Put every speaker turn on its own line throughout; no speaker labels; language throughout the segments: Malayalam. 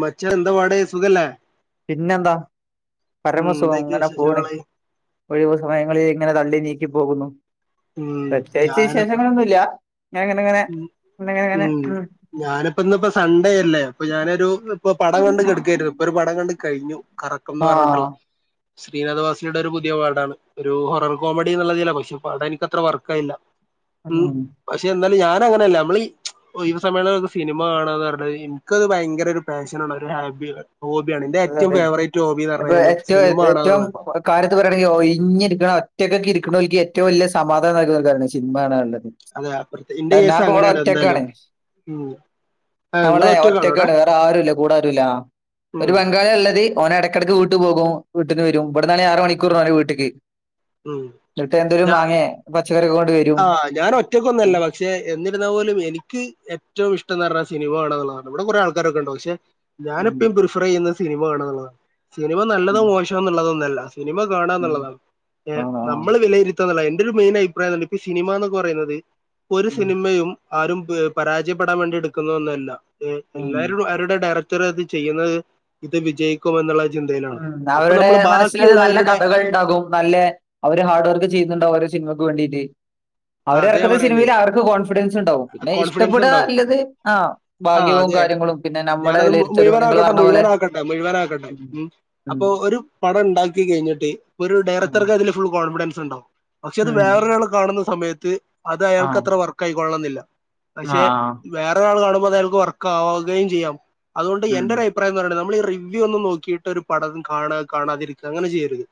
മച്ചാ എന്താ പാടെ സുഖല്ലേ
പിന്നെന്താ
ഉം എന്തൊക്കെയാ
പരമസുഖംഇങ്ങനെപോണ്.
വിശേഷങ്ങള്
ഒഴിവ്സമയങ്ങളിൽ എങ്ങനെ തള്ളി നീക്കിപോകുന്നു
ഉം
പ്രത്യേകിച്ച്
ഞാനും
വിശേഷങ്ങളൊന്നുല്ല. ഇങ്ങനെങ്ങനെ
ഉം ഉം ഞാനിപ്പോഇന്നിപ്പോ സൺഡേ അല്ലേ അപ്പൊ ഞാനൊരു ഇപ്പൊ പടംകണ്ട് കെട്ക്കായിരുന്നു. ഒര്പടംകണ്ട് കഴിഞ്ഞു കറക്കംന്ന് പറഞ്ട്ടുള്ള.
ആഹ്
ശ്രീനാദ് വാസിയുടെ ഒര്പുതിയ പാടാണ് ഒരു ഹൊറർകോമഡി എന്നുള്ളതില പക്ഷെ പടംഎനിക്കത്രവർക്കായില്ല.
ഉം
ഇന്നാലും ഞാനങ്ങനെയല്ല നമ്മളീ ഒയ്വ് സമയംസിനിമ കാണാന്ന് പറഞ്ഞത് ഇൻക്കത്ഭയങ്കര ഒര്പാഷനാണ് ഒര് ഹാബിയാണ്. ഹോബിയാണ്
അതെ
ഇന്റെഏറ്റവും
അതെ
ഫേവറേറ്റ് ഹോബീന്ന് പറഞ്കയ്യ്ഞ്ഞാൽ സിനിമ കാണഎന്നുള്ളതാണ്.
കാര്യത്ത്പറയാണെങ്കിൽ ഒഴിഞ്ഞിരിക്കണ ഒറ്റക്ക് ഇരിക്കക്കോഓൽക്ക് ഏറ്റവുംവല്യാ സമാധാനംനൽകുന്നൊരു കാര്യാണ് സിനിമക്കാണാന്നുള്ളത്.
അതെഅപ്പെർത്ത് ഇന്റെ കേസ് അങ്ങനെണ് എന്താലും ഉം ആഹ് നിങ്ങൾ
അവടെ
ഒറ്റക്കാണോ അവിടെ
ഒറ്റക്കാണ് വേറെരുല്ല കൂടെആരൂല്ല. ഒരു
ഉം
ബംഗാളിയഇള്ളത് ഓന് എടക്കെടെക്ക് വീട്ട് പോകും വീട്ടന്ന് വെരും ഇവട്ന്നാണെ ആറ് മണിക്കൂറ ഓന്റെവീട്ട്ക്ക്.
ഉം
ന്ന്ട്ട്
ഞാ
എന്തൊരുമാങേപച്ചക്കറിയൊക്കെ കൊണ്ട്വെരും.
ആഹ് ഞാൻഒറ്റക്കൊന്നല്ല പക്ഷെ എന്നിരുന്നാപോലും എനിക്ക്ഏറ്റവും ഇഷ്ട്ടംന്ന്പറഞ്ഞ സിനിമ ആണന്നുള്ളത. അവ്ടെകൊറേ ആൾക്കാരൊക്കെഇണ്ടാവും പക്ഷെ
ഉം
ഞാനെപ്പയും പ്രിഫർ ചെയ്യുന്നസിനിമ കാണഎന്നുള്ളതാണ്
ഉം
സിനിമനല്ലതോ മോഷാഎന്നുള്ളതല്ല.
ഉം
സിനിമകാണാന്നുള്ളതാണ് ഏ
ആഹ് ആഹ്
നമ്മൾ വിലയിരുത്തഎന്നുള്ള എന്റെരു മെയിൻ അഭിപ്രായം സിനിമന്നൊക്കെ പറയുന്നത്ഒര്
ഉം
സിനിമയും ആരും പ് പരാജയപ്പെടാൻവേണ്ടി എടുക്കുന്നഒന്നുല്ല
ഉം
എല്ലാരും അവരുടെ ഡയറ ട്ടർ ചെയ്യുന്നത്ഇത് വിജയിക്കുമെന്നുള്ള ചിന്തയിലാണ്
ഉം
അപ്പൊനമ്മൾ ബാക്കിയുള്ളവരുടെ
നല്ലെ അവര്ഹാർഡ്വർക്ക് ചെയ്യുന്നുണ്ട് അവരെസിനിമക്ക് വേണ്ടീട്ട്.
അതെ ഞാൻ
അവര്എരക്കുന്ന
പറയുന്നേ
സിനിമയിൽ അവർക്ക് കോൺഫിഡൻസ്ഇണ്ടാവും പിന്നെ ഇഷ്ടപ്പെടാന്നില്ലത് ആ
ആഹ് അതെ ഞാനത്മു
വിലയിരുത്തലും നിങ്ങൾ
മുഴുവനാക്കാട്ടെ
പറഞ്ഞ പോലെ
മുഴുവനാക്കെട്ടെ മുഴുവനാക്കട്ടെ ഉം
ഉം
അപ്പൊ ഒരുപടം ഇണ്ടാക്കികഴിഞ്ഞിട്ട് ഒരുഡയറക്ടർക്ക് അതില്ഫുൾ കോൺഫിഡൻസ്ഇണ്ടാവും. പക്ഷെ അത്
ഉം
വേറൊരാൾ കാണുന്ന സമയത്ത് അത്അയാൾക്ക്
ആഹ്
അത്ര വർക്കായിളണന്നില്ല. പക്ഷെ
ആഹ്
വേറൊരാൾകാണുമ്പോ അത് അയാൾക്ക് വർക്കാവുകയും ചെയ്യാം അതുകൊണ്ട്
ഉം
എന്റെരുഅയ് പ്രായംന്ന്പർഞ്ണ്ടെ നമ്മൾഈ റിവ്യൂയൊന്നും നോക്കിയിട്ടൊരു പടം കാണാ കാണാതിരിക്ക അങ്ങനെ ചെയ്യരുത്.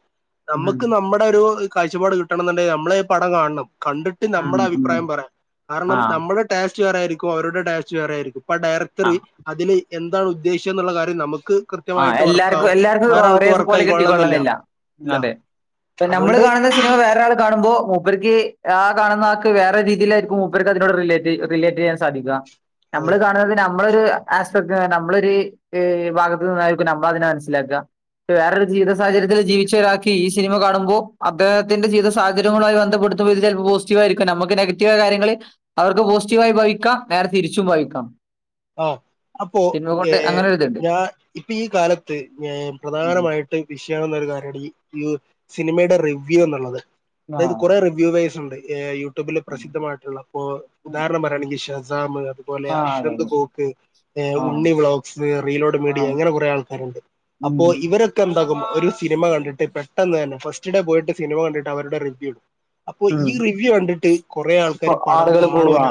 ഉം
നമ്മക്ക് നമ്മടെരു കാഴ്ചപ്പാട് കിട്ടണംന്നുണ്ടെങ്കിൽ നമ്മളിപടം കാണണം കണ്ട്ട്ട്
ഉം
നമ്മുടെ
ഉം
അഭിപ്രായം പറയാം കാരണം
ആഹ്
നമ്മുടെ ടെസ്റ്റ് വേറെ ആയിരിക്കും അവരുടെ ടെസ്റ്റ് വേറെ ആയിരിക്കും ഇപ്പ ഡയറക്ടർ
ആഹ്
അതില് എന്താണ് ഉദ്ദേശം എന്നുള്ള കാര്യം നമുക്ക് കൃ
ആ എല്ലാർക്കും എല്ലാർക്കും ഒരേ പോലെ
ആയിക്കൊള്ളണമെന്നില്ല
കിട്ടിക്കൊള്ളണോന്നില്ല
ഇല്ല
അതെ നമ്മള്
അതുകൊണ്ട്
കാണുന്ന സിനിമ വേറെ ആൾ കാണുമ്പോ മൂപ്പരിക്ക് ആ കാണുന്ന ആൾക്ക് വേറെ രീതിയിലായിരിക്കും മൂപ്പർക്ക് അതിനോട് റ്റിലേറ്റ് റിലേറ്റ് ചെയ്യാ സതിക
അതെ
നമ്മള് കാണുന്നതിന് നമ്മള് ഒരു നമ്മള് ഒരു ഭാ അ നമ്മ അതിനെ മനസ്സിലാക്കുക വേറൊരു ജീവീത സാഹചര്യത്തിൽ ജീവിച്ച ഒരാൾക്ക് ഈ സിനിമ കാണുമ്പോ അദ്ദേത്തിന്റെ ജീവിത സാഹചര്യങ്ങളമായി ബന്ധപ്പെടു ചെലപ്പോ പോസിറ്റീവ ആരിക്കും നമ്മക്ക് നെഗറ്റീവ് ആയ കര്യങ്ങങ്ങള് അവർക്ക് പോസിറ്റീവ് ആയും വായിക്കാം നേരെ തിരിച്ചും വായിക്കാം
ആ അപ്പോ ഏ
അങ്ങനെ ഒരു ഇതുണ്ട്
ഞാൻ ഇപ്പി ഈ കാലത്ത് പ്രധാനമായി ഇത് വിഷയണെന്നൊരു ക്യരടി ഈ ഈ സിനിമയുടെ റിവ്യൂ എന്നുള്ളത്
ആ
അതായത് കുറെ റിവ്യൂ വൈസ് ഉണ്ട് എ ഐ യൂ ക്ലബ്ബിലെ പ്രസിദ്ധമായിട്ടുള്ള പ്പോ ഉദാഹരണം പറയുകയാണെങ്കിൽ ഷേസാമ് അപോലെ
ആ
അഷ്-
അതെ അതെ
ഒക്കെ
ആ
ഉണ്ണി വ്ലോഗ്സ് റീലോഡ്
ആ
മീഡിയ ഇങ്ങനെ കുറ ആൾക്കാരുണ്ട്
ഉം
അപ്പോ ഇവരെ കേമ്പകം എന്താകും ഒരു സിനിമ കണ്ടിട്ട് പെട്ടെന്ന് തന്നെ ഫസ്റ്റ് ഡേ പോയിട്ട് സിനിമ കണ്ടിട്ട് അവരുടെ റിവ്യൂ ഇടും അപ്പൊ
ഉം
ഈ റിവ്യൂ കണ്ടിട്ട് കൊറെേ
ഇപ്പൊ
ആൾക്കാര് പടം
ആളുകൾ പോവാ
കാണൂല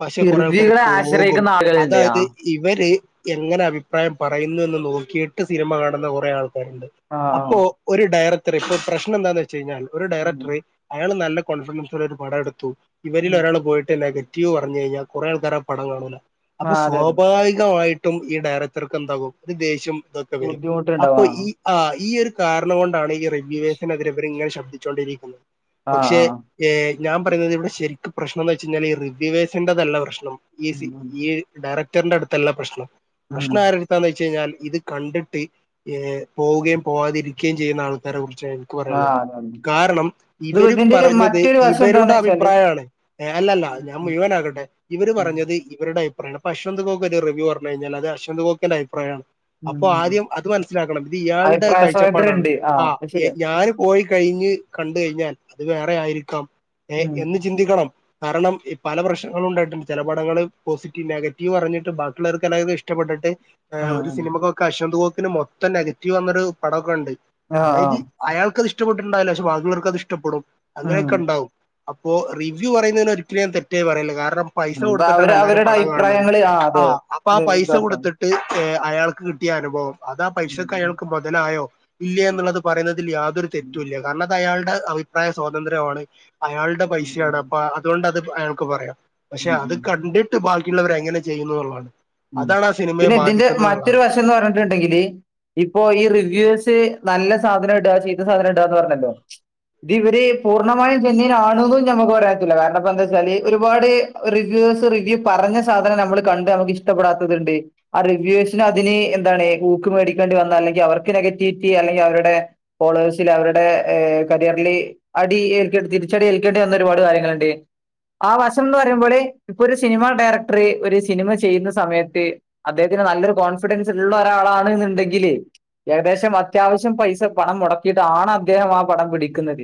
പക്ഷെ കൊറെ ആൾക്കാര്
ധിർജികളെ
പോകും
ആശ്രയിക്കുന്ന ആളുകളുണ്ട് ആ
അതായത് ഇവര് എങ്ങനെ അഭിപ്രായം പറയുന്നു എന്ന് നോക്കിയിട്ട് സിനിമ കാണുന്ന കുറേ ആൾക്കാരുണ്ട്.
ആ ആ
അപ്പോ ഒരു ഡയറക്ടർ ഇപ്പൊ പ്രശ്നം എന്താന്ന് വെച്ച കഴിഞ്ഞാൽ ഒരു
ഉം
ഡയറക്ടറ് അയാൾ നല്ല കോൺഫിഡൻസില് ഒരു പടം എടുത്തു ഇവരിൽ
ഉം
ഒരാൾ പോയി ട്ട് നെഗറ്റീവ് പറഞ്ഞ് കഴിഞ്ഞാൽ കൊറേ ആൾക്കാര് ആ പടം കാണുല്ല
ആ
അപ്പ
അതെ അതെ
സ്വാഭാവിക മായിട്ടും ഈ ഡയറക്ടർക്ക് എന്താകും ഒരു ദേഷ്യം ഇതൊക്കെ വരും അപ്പോ
ബുദ്ധിമുട്ടുണ്ടാവാ
ഈ ആ ഈ ഒരു കാരണം കൊണ്ടാണ് ഈ റിവ്യൂസിന് എതിരെ ഇവര് ഇങ്ങനെ ശബ്ദിച്ചോണ്ടിരിക്കുന്നത്
ആ
പക്ഷെ
ആ
ഏ ഞാൻ പറയുന്നത് ഇവിടെ ശരിക്കും പ്രശ്നം എന്ന് വെച്ച് കഴിഞ്ഞാൽ റിവ്യവേഴ്സിന്റെ തല്ല പ്രശ്നം
ഉം
ഈസി
ഉം
ഈ ഡയറക്ടറിന്റെ അടുത്തല്ല പ്രശ്നം
ഉം
പ്രശ്ന ആര എന്താന്ന് വെച്ച് കഴിഞ്ഞാൽ ഇത് കണ്ടിട്ട് പോവുകയും പോവാതിരിക്കുകയും ചെയ്യുന്ന ആൾക്കാരെ കുറിച്ച് ആയ എനിക്ക്
ആ
പറയാനുള്ളത്
അതെ അതെ
കാരണം
ഇത്
ഇവര്
ഇതിന്റെ ഒരു
പറഞ്ഞത്
മറ്റൊരു വശം
ഇവരുടെ
എന്താന്ന് വെച്ചാല്
അഭിപ്രായണ് അല്ലല്ല
ഉം
ഞാൻ
ഉം
മുഴുവൻ ആകട്ടെ ഇവര്
ഉം
പറഞ്ഞത് ഇവരുടെ ആയി പറയണം പഷ്വന്ത കൊക്ക് ഒരു റിവ്യൂ പറഞ്ഞു കഴിഞ്ഞല് അത് അശ്വന്ത് കൊക്കിന്റെ ആയിപ്രായാണ് അപ്പൊ
ഉം ഉം
ആദ്യം അത് മനസ്സിലാക്കണം ഇത് ഇയാളുടെ
അഭിപ്രായ സ്വാതന്ത്ര്യം
കാഴ്ചപ്പാടാണ്
ഉണ്ട്
ആ
അത് ശരിയാ
ഞാനും പോയി കഴിഞ്ഞ് കണ്ട കഴിഞ്ഞാൽ അത് വേറെ ആയിരിക്കാം ഏ
ഉം
എന്ന് ചിന്തിക്കണം കാരണം ഈ പല പ്രശ്നങ്ങളും ഉണ്ടായിട്ടുണ്ട് ചെല പടങ്ങള് പോസിറ്റീവ് നെഗറ്റീവ് അറിഞ്ഞിട്ട് ബാക്കിയുള്ള വർക്ക് എല്ലാവും ഇഷ്ടപ്പെട്ടിട്ട്
ഉം
ഒരു
ഉം
സിനമ ഒ കശ്വന്ത് കോക്കിന് മൊത്തം നെഗറ്റീവ് വന്നൊരു പടമൊക്കെ ഉണ്ട്
ആ ആ
അതായത് അയാൾക്ക് അത് ഇഷ്ട്ടപ്പെട്ടുണ്ടാവില്ല പക്ഷെ ബാക്കി ഉള്ളവർക്ക് അത് ഇഷ്ട്ടപെടും
ഉം
അങ്ങനെയൊക്കെ ഒണ്ടാവും അപ്പോ റിവ്യൂ പറയുന്നതിന് ഒരിക്കലും ഞാൻ തെറ്റ് പറയെല്ല കാരണം പൈസ
ഉം ഇത്
കൊടുത്തിട്ടാണ്
അവര്
എല്ലാരും
അവരുടെ
പടംകാണെണ്ടത്
അഭിപ്രായങ്ങള്
ആ
അതെ
അപ്പൊ ആ പൈസ
ഇതാക്കാം
കൊടുത്ത് ട്ട് അയാൾക്ക് കിട്ടിയ അനുഭവം അതാ
ഉം
പൈസക്കെ
ഉം
അയാൾക്ക് മൊ തലായോ ഇല്ലേ എന്നുള്ളത് പറയുന്നതിൽ യാതൊരു തെറ്റുല്ല കാരണം അത് അയാളുടെ അഭിപ്രായ സ്വാതന്ത്ര്യമാണ് അയാളുടെ
ഉം
പൈസയാണ്
ഉം
അപ്പൊ അതുകൊണ്ട് അത് അയാൾക്ക് പറയാം പക്ഷെ
ഉം
അത്
ഉം
കണ്ടിട്ട് ബാക്കിയുള്ളവർ എങ്ങനെ ചെയ്യുന്നു എന്നുള്ളതാണ്. അതാണ് ആ സിനിമയെ ബാധിക്കുന്ന എന്നുള്ളതാണ്
ന്ന് പറഞ്ഞിട്ടുണ്ടെങ്കില് ഇപ്പൊ ഈ റിവ്യൂസ് നല്ല സാധനം ഒണ്ടോ ചിത്ത സാധനം ഒണ്ടോ പറഞ്ഞല്ലോ ഇത് ഇവര് പൂർണ്ണമായും ചെന്നൈയിൽ ആണോന്നും ഞമ്മക്ക് പറയാൻ പറ്റൂല്ല കാരണം ഇപ്പ എന്താന്ന് വെച്ചാല് ഒരുപാട് റിവ്യൂസറ് റിവ്യൂ പറഞ്ഞ സാധനം നമ്മൾ കണ്ട് നമുക്ക് ഇഷ്ടപ്പെടാത്തതുണ്ട് ആ റിവ്യൂസിന് അതിന് എന്താണ് ഊൂക്ക് മേടിക്കേണ്ടി വന്ന അല്ലെങ്കിൽ അവർക്ക് നെഗറ്റിവിറ്റി അല്ലെങ്കിൽ അവരുടെ ഫോളേഴ്സില് അവരുടെ ഏ കരിയറില് അടി ഏൽക്കേണ്ട് തിരിച്ചടി ഏൽക്കേണ്ടി വന്ന ഒരുപാട് കാര്യങ്ങളുണ്ട് ആ വശം എന്ന് പറയുമ്പോള് ഇപ്പൊ ഒരു സിനിമാ ഡയറക്ടർ ഒരു സിനിമ ചെയ്യുന്ന സ സമയത്ത് അദ്ദേഹത്തിന് നല്ലൊരു കോൺഫിഡൻസ് ഉള്ള ഒരാളാണ് എന്നണ്ടെങ്കില് ഏകദേശം അത്യാവശ്യം പൈസ പണം മുടക്കിയിട്ടാണ് അദ്ദേഹം ആ പണം പിടിക്കുന്നത്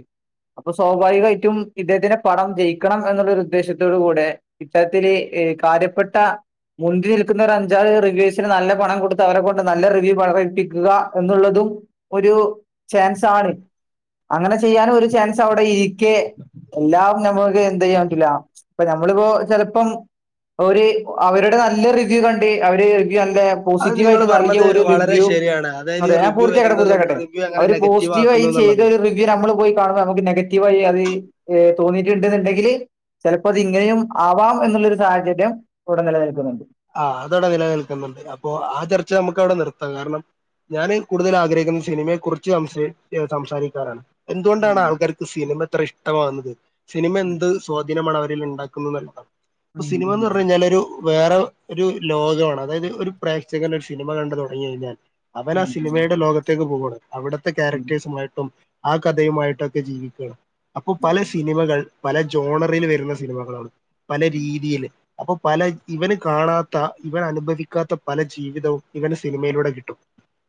അപ്പൊ സ്വാഭാവികമായിട്ടും ഇദ്ദേഹത്തിന്റെ പണം ജയിക്കണം എന്നുള്ളരു ഉദ്ദേശ്യത്തോട് കൂടെ ഇത്തരത്തില് കാര്യപ്പെട്ട മുന്നിൽ നിൽക്കുന്ന ഒരു അഞ്ചാൾ റിവ്യൂസിന് നല്ല പണം കൊടുത്ത അവരെ കൊൊണ്ട് നല്ല റിവ്യൂ പകടിപ്പിക്കുക എന്നുള്ളതും ഒരു ചാൻസാണ് അങ്ങനെ ചെയ്യാനും ഒരു ചാൻസ് അവിടെ ഇരിക്കെ എല്ലാം നമ്മുക്ക് എന്ത് ചെയ്യാൻ പറ്റില്ല ഇപ്പൊ ഞമ്മളിപ്പോ ചെലപ്പം ഒരു അവരുടെ ടെ നല്ല റിവ്യൂ കണ്ട് അവര് റിവ്യൂ നല്ല
അത് നിങ്ങൾ
പോസിറ്റീവായിട്ട് നൽകിയ
പറഞ്ഞത്
ഒരു
വളരെ
റിവ്യൂ
ശരിയാണ്. അതായത് ഈ
അതെ ഞാൻ
റിവ്യൂ
പൂർത്തിയാക്കട്ടെ
വരുന്നതും
പൂർത്തിയാക്കട്ടെ
റിവ്യൂ അങ്ങനെ
അവര്
നെഗറ്റീവ്
പോസിറ്റീവായി
ആക്കുന്നു എന്നുള്ളത്
ചെയ്തൊരു റിവ്യു നമ്മൾ പോയി കാണുമ്പോൾ നമുക്ക് നെഗറ്റീവായി അത് തോന്നിയിട്ടുണ്ടുണ്ടെങ്കില് ചെലപ്പോ അത് ഇങ്ങനെയും ആവാം എന്നുള്ളൊരു സാഹചര്യം ഇവിടെ നിലനിൽക്കുന്നുണ്ട്
ആഹ് അതവിടെ നിലനിൽക്കുന്നുണ്ട് അപ്പൊ ആഹ് ചർച്ച നമുക്ക് അവിടെ നിർത്താം കാരണം ഞാന് കൂടുതൽ ആഗ്രഹിക്കുന്ന സിനിമയെ കുറിച്ച് സംസ് സംസാരിക്കാറാണ്
ഉം
എന്തുകൊണ്ടാണ് ആൾക്കാർക്ക് സിനിമ ഇത്ര ഇഷ്ടമാവുന്നത് സിനിമ എന്ത് സ്വാ
ഉം
[unintelligible]
ഉം
സിനിമന്ന് പറഞ്ഞ് കഴിഞ്ഞാൽ ഒരു വേറ ഒരു ലോകമാണ് അതായത് ഒരു പ്രേക്ഷകൻ ഒരു സിനിമ കണ്ട് തുടങ്ങിയഴിഞ്ഞാൽ അവൻ
ഉം
ആ സിനിമയുടെ ലോകത്തേക്ക് പോവാണ് അവിടുത്തെ
ഉം
ക്യാരക്ടേഴ്സുമായിട്ടും ആ കഥയുമായിട്ടൊക്കെ ജീവിക്കണം അപ്പൊ പല സിനിമകൾ പല ജോണറിൽ വരുന്ന സിനിമകളാണ് പല രീതിയില് അപ്പൊ പല ഇവന് കാണാത്ത ഇവൻ അനുഭവിക്കാത്ത പല ജീവിതവും ഇവന് സിനിമയിലൂടെ കിട്ടും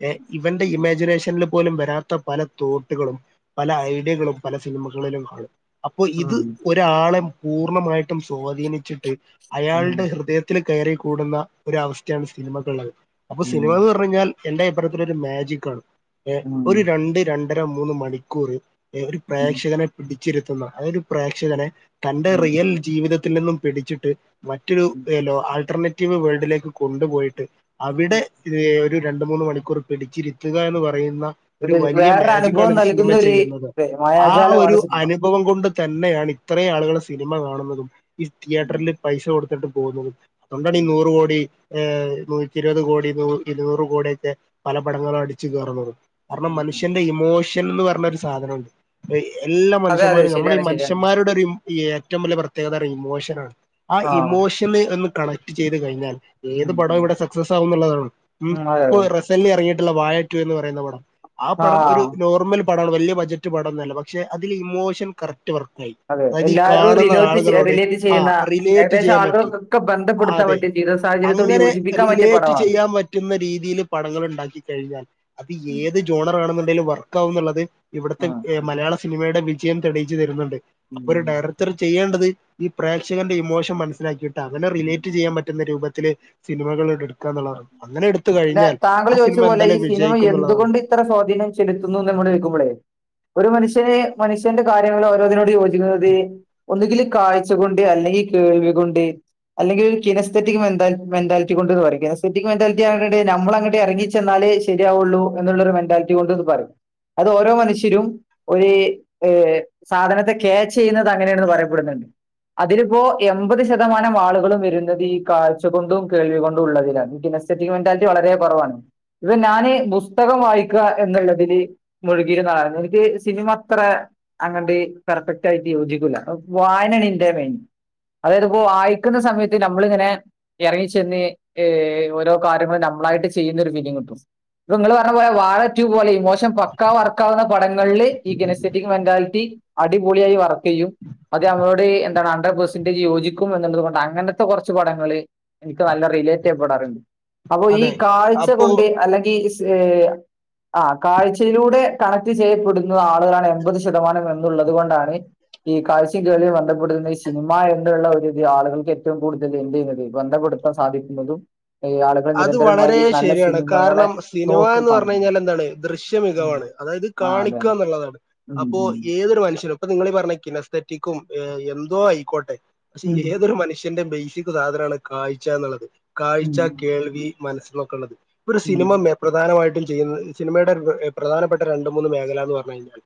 ഏഹ് ഇവന്റെ ഇമാജിനേഷനിൽ പോലും വരാ പല തോട്ടുകളും പല ഐഡിയകളും പല സിനിമകളിലും കാണും അപ്പം
ഉം ഉം
ഇത് ഒ ഒരാളെം പൂർണ്ണമായിട്ടും സ്വാധീനിച്ചിട്ട്
ഉം
അയാളുടെ ഹൃദയ ത്തിൽ കയറി കൂടുന്ന ഒരു അവസ്ഥയാണ് സിനിമക്കുള്ളത് അപ്പൊ സിനിമ എന്ന് പറഞ്ഞു കഴിഞ്ഞാൽ എന്റെ അഭിപ്രായത്തില് ഒരു മാജിക് ആണ് ഏ
ഉം
ഒരു രണ്ട് രണ്ടര മൂന്ന് മണിക്കൂറ് ഏ ഒരു
ഉം
പ്രേക്ഷകനെ പിടിച്ചിരുത്തുന്ന അത് ഒരു പ്രേക്ഷകനെ തന്റെ
ഉം
റിയൽ ജീവിത ത്തിൽ നിന്നും പിടിച്ചിട്ട് മറ്റൊരു ലോ ആൾട്ടർനേറ്റീവ് വേൾഡിലേക്ക് കൊണ്ടുപോയിട്ട് അവിടെ ഒരു രണ്ട് മൂന്ന് മണിക്കൂർ പിടിച്ചിരുത്തുക എന്ന് പറയുന്ന ഒരു വലിയ
വേറൊരു
മാജിക്കാണ്
അനുഭവം
ഇത് സിനിമ
നൽകുന്നൊരു
ചെയ്യുന്നത് ആഹ് ഒരു
മായാജാലമാണ് സിനിമ
അനു നുഭവം കൊണ്ട് തന്നെയാണ് ഇത്രയും ആളുകൾ സിനിമ കാണുന്നതും ഈ തിയേറ്ററിൽ പൈസ കൊടുത്തിട്ടും പോവുന്നതും അതുകൊണ്ടാണീ നൂറ് കോടി ഏഹ് നൂറ്റിഇരുപത് കോടി നൂ ഇരുന്നൂറ് കോടി ഒക്കെ പല പടങ്ങളും അടിച്ചു കേറന്നുത് കാരണം മനുഷ്യന്റെ ഇമോഷൻ എന്ന് പറഞ്ഞൊരു സാധനൊണ്ട് എല്ലാ
അതെ അതെ
മനുഷ്യന്മാരും നമ്മള ഈ
ശരിയാണ് ശരിയാണ്
മനുഷ്യന്മാരുടെ ഒരു ഏറ്റവും വലിയ പ്രത്യേകത ഇമോഷൻ ആണ് ആ
ആഹ്
ഇമോഷന് ഒന്ന് കണക്ട് ചെയ്ത് കഴിഞ്ഞാലെ ഏത്
ഉം
പടവും ഇവിടെ സക്സസ് ആവുന്നുള്ളതാണ് ഉം
അതെ അതെ
ഇപ്പൊ റസന്റ്ലി ഇറങ്ങിയിട്ടുള്ള വാഴ ടൂ എന്ന് പറയുന്ന പടം ആഹ് പടം ഒരു നോർമൽ പടാണ് വലിയ ബഡ്ജറ്റ് പടംന്നല്ല പക്ഷെ അതില് ഇമോഷൻ കറക്റ്റ് വർക്ക് ആയി
അതെ
അതീ
എല്ലാവരോടും
കാണുന്ന
റിലേറ്റ്
ആളുകളോടെ
റിലേറ്റ്
ആഹ്
ചെയ്യുന്ന
റിലേറ്റ്
ഏകദേശം
ചെയ്യാൻ പറ്റും
ആളുകൾക്കൊക്കെ ബന്ധപ്പെടുത്താൻ
അതെ
പറ്റിയ ജീവിത സാഹചര്യത്തോട്
അങ്ങനെ
യോജിപ്പിക്കാൻ പറ്റിയ
റിലേറ്റ്
പടമാണ്
ചെയ്യാൻ പറ്റ് പറ്റുന്ന രീതിയിൽ പടങ്ങൾ ഉണ്ടാക്കി കഴിഞ്ഞാൽ അത് ഏത് ജോണറാണെന്നുണ്ടെലും വർക്ക് ആകുന്നുള്ളത്
ആ.
ഇവിടുത്തെ മലയാള സിനിമയുടെ വിജയം തെളിയിച്ചു തരുന്നുണ്ട് അപ്പോ ഒരു ഡയറക്ട ടർ ചെയ്യേണ്ടത് ഈ പ്രേക്ഷകന്റെ ഇമോഷൻ മനസ്സിലാക്കിയിട്ട് അവനെ റിലേറ്റ് ചെയ്യാൻ പറ്റുന്ന രൂപത്തില് സിനികള് എടുക്കാന്നുള്ളാണ് അങ്ങനെ എട്
പിന്നെ താങ്കള് ചോദിച്ച പോലെ ഈ സിനിമ
എന്നുള്ളതാണ്
എന്തുകൊണ്ട് ഇത്ര സ്വാധീനം ചെലുത്തുന്നോന്ന് ന്നോട് ചോദിക്കുമ്പൊളേ ഒരു മനുഷ്യന് മനുഷ്യന്റെ കാര്യങ്ങൾ ഓരോന്നിനോട് ഒന്നെങ്കില് കാഴ്ച കൊണ്ട് അല്ലെങ്കിൽ കേൾവി കൊണ്ട് അല്ലെങ്കിൽ ഒരു കിനസ്തെറ്റിക് മെന്താ മെന്റാലിറ്റി കൊണ്ട്ന്ന് പറയും കിനസ്തെറ്റിക് മെന്റാലി നമ്മള് അങ്ങോട്ട് ഇറങ്ങിച്ചെന്നാലേ ശരിയാവുള്ളൂ എന്നുള്ളൊരു മെന്റാലിറ്റി കൊണ്ട്ത് പറയും അത് ഓരോ മനുഷ്യരും ഒരു ഏ സാധനത്തെ ക്യാച്ച് ചെയ്യുന്നത് അങ്ങനെയാണെന്ന് പറയപ്പെടുന്നുണ്ട് അതിലിപ്പോ എമ്പത് ശതമാനം ആളുകളും വരുന്നത് ഈ കാഴ്ചകൊണ്ടും കേൾവികൊണ്ടും ഉള്ളതിലാണ് സെറ്റി മെന്റാലിറ്റി വളരെ കുറവാണ് ഇപ്പൊ ഞാന് പുസ്തകം വായിക്ക എന്നുള്ളതില് മുഴുകിയിരുന്നാളായിരുന്നു എനിക്ക് സിനിമ അത്ര അങ്ങോട്ട് പെർഫെക്റ്റ് ആയിട്ട് യോജിക്കൂല വായനണ്ന്റെ മെയിൻ അതായത്പ്പോ വായിക്കുന്ന സമയത്ത് നമ്മളിങ്ങനെ എറങ്ങിച്ചെന്ന് ഏ ഓരോ കാര്യങ്ങൾ നമ്മളായിട്ട് ചെയ്യുന്നൊരു ഫീലിങ്ങ് കിട്ടും ഇങ്ങള് പറഞ്ഞ പോലെ വാഴ റ്റു പോലെ ഇ മോശം പൊക്ക വറക്കാവുന്ന പടങ്ങളില് ഈ ഗെനസെറ്റിക് മെന്റാലിറ്റി അടിപൊളിയായി വർക്കെയ്യും അത് നമ്മോട് എന്താണ് ഹൺഡ്ര പേർസെന്റേജ് യോജിക്കും എന്നുള്ളത് കൊണ്ട് അങ്ങനത്തെ കൊറച്ച് പടങ്ങള് എനിക്ക് നല്ല റിലേറ്റെയ്യപ്പെെടാറ്ണ്ട്. അപ്പൊ ഈ
അതെ
കാഴ്ച
അപ്പൊ
കൊണ്ട് അല്ലെങ്കി ഈ ഹ് ആഹ് കാഴ്ചയിലൂടെ കണക്ട് ചെയ്യപ്പെടുന്നത് ആളുകളാണ് എൺപത് ശതമാനം എന്നുള്ളത് കൊണ്ടാണ് ഈ കാത്സ്യകള്ല് ബന്ധപ്പെത്തുന്നത് ഈ സിനിമ എന്നുള്ള ഒരുരി ആളുകൾക്ക് ഏറ്റവും കൂടുതൽ എന്ത് ചെയ്യുന്നത് ബന്ധപ്പെടുത്തു സാധിക്കുന്നതും അയ് ആള്
അത് വളരെ ശെരിയാണ്. കാര്ണം സിനിമ
നോക്കി
എന്ന് പറഞ്ഞ
കാണുന്നത്
കഴിഞ്ഞാല് എന്താണ് ദൃശ്യ
ഉം.
മികവാണ്. അതായത്
ആ അതെ
കാണിക്കാ
അതെ
ഇന്ന്ള്ളതാണ്.
ഉം,
അപ്പോ
ഉം,
ഏതൊരു മനുഷ്യനും അപ്പൊ നിങ്ങീളി ഈ പറഞ്ഞ കിനത്തെറ്റിക്കും എന്തോ ആയിക്കോട്ടെ പക്ഷെ
ഉം,
ഏതൊരു മനുഷ്യന്റെ ബേയ്സിക് സാധനാണ് കാഴ്ച ഇന്ന്ള്ളത്.
ഉം,
കാഴ്ച, കേൾവി, മനസ്സിന്നൊക്കള്ളത്, ഒരു
ഉം,
സിനിമ മേ പ്രധാനമായിട്ടും ചെയ്യുന്ന സിനിമയുടെ പ്രധാനപ്പെട്ട രണ്ട് മൂന്ന് മേഖല എന്ന് പറഞ്ഞു കഴിഞ്ഞാൽ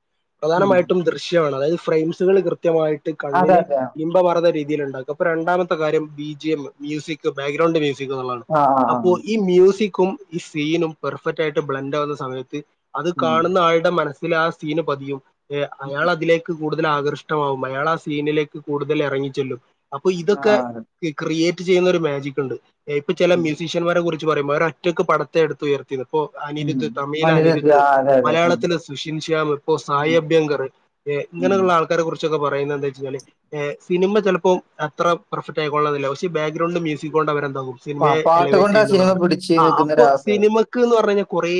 ഉം.
പ്രധാനമായിട്ടും ദൃശ്യാണ്. അതായത് ഫ്രെയിംസുകൾ കൃത്യമായിട്ട്
അതെ
കണ്ണിന്
അതെ ആ
ഇ പറ്ന്ന രീതിയില് ഉണ്ടാക്ക. ഇപ്പ രാണ്ടമത്തെ കാര്യം B J M music background music ഇന്ന് ള്ളാണ്.
ആ ആ
അപ്പോ ഈ മ്യൂസിക്കും ഈ സീനും പെർഫെക്റ്റ് ആയിട്ട് ബ്ലൻഡ് ആവുന്ന സമയത്ത് അത്
ഉം.
കാണുന്ന ആള്ടെ മനസ്സില് ആ സീന് പതിയും. എ അയാള് അതിലേക്ക് കൂടുതൽ ആകർഷ്ടമാവും. അയാള് ആ സീനിലേക്ക് കൂടുതല് എറങ്ങിച്ചെല്ലും അപ്പൊ
ആ
ഇതൊക്കെ
അതെ
ഈ ക്രിയേറ്റ് ചെയ്യുന്ന ഒരു മാജിക്ക് ഉണ്ട്. ഇപ്പ ചെല
ഉം,
മ്യൂസിഷ്യന്മാരെ കുറിച്ച് പറയുമ്പോ അവര് ഒറ്റക്ക് പടത്തെ എടുത്ത് ഉയർത് ഇപ്പോ
ഉം.
അനിരുദ്ധ് തമിഴില് അനിരുദ്ധ്
ആ അതെ അതെ ആ
മലയാളത്തില് സുഷിൻ ശ്യാം ഇപ്പോ സായി
ഉം,
അഭ്യങ്കർ
ഉം.
ഇങ്ങനെയുള്ള ആൾ ക്കെ കുറിച്ചൊക്ക പറയുന്നത് എന്തെവെച്ച് കഴിഞ്ഞാല്. സിനിമ ചെലപ്പോം അത്ര പെർഫെക് ആയിക്കൊള്ളന്ന്ല്ല. പക്ഷേ ബാഗ്രൗണ്ട് മ്യൂസിക് കൊണ്ട് അവരെ എന്താവും
ആ
സിനിമയെ
പാട്ട്
എലവേറ്റ്
കൊണ്ട് ആ സിനിമ
ചെയ്യുന്നുള്ളതാണ്.
പിടിച്ച്
ആ
നിൽക്കുന്ന
അപ്പൊ
ഒരു അവസരം
സിന് മ ക്ക് എന്ന് പറഞ്ഞ കൊറേ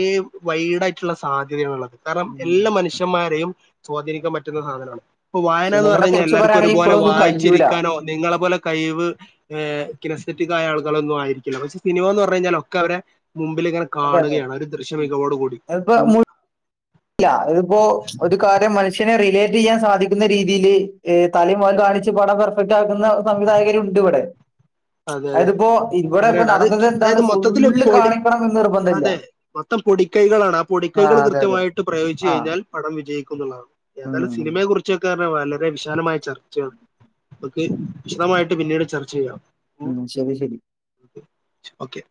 വൈഡ് ആയിട്ട്ള്ള സാധ്യതയാണ്ള്ളത്. കാര്ണം
ഉം
എല്ലാ മനുഷ്യ ന്മാരെയും സ്വാധീനിക്കാൻ പറ്റുന്ന സാധനാണ് ഇപ്പ വായന എന്ന് പറഞ്ഞ്
സിനിമനെ
കഴിഞ്ഞ
കുറിച്ച്
എല്ലാർക്കും
പറയാണെങ്കിൽ
ഒരുപലെ
ഇപ്പോഴൊന്നും കഴിയൂല
വയിച്ചിരിക്കാനോ നിങ്ങളെ പോലെ കഴിവ് കിനസെറ്റിക് ആയ ആൾ ഒന്നും ആയിരിക്കില്ല. പക്ഷെ സിനിമ എന്ന് പറഞ്ഞ് കഴിഞ്ഞാലൊക്കെ അവരെ മുമ്പില് ഇങ്ങനെ
അതെ അതെ
കാണുകയാണ്. ഒരു ദൃശ്യ
ഉം.
മികവോടുകൂടി ഉം
ഇല്ല ഇതിപ്പോ ഒരു കാര്യം മനുഷ്യനെ റിലേറ്റെയ്യാൻ സാധിക്കുന്ന രീതിയില് തലയുംവാല് കാണിച്ചു പട ഒറ്റാക്കുന്ന സംവിധായകരു ഉണ്ട് ഇവടെ
അതെ അതെ
അത്പ്പോ ഇവടെ ഇപ്പ
അങ്ങനെയുണ്ട് അത്
നടന്നത് എന്താണ്
അതായത്
ഫുള്ള്
മൊത്തത്തിൽ
കാണിക്കണം എന്ന് നിർബന്ധ ഇല്ല.
അതെ മൊത്തം പൊടിക്കൈകളാണ്. ആ പൊടിക്കൈകള്
അതെ
കൃത്യമായിട്ട് ഇട്ട് പ്രയോയിച്ച്
ആ
കഴിഞ്ഞാൽ പടം വിജയിക്കുന്ന്ള്ളതാണ്. ഏതാലും
ഉം
സിനിമയെ കുറിച്ചൊക്കെ അറ്ന്നാ വളരെ വിശാലമായി ചർച്ച ഒക്കെ. നമക്ക് വിശദമായിട്ട് പിന്നീട് ചർച്ച ചെയ്യാം
ഉം ശെരി ശെരി
ഓക്കെ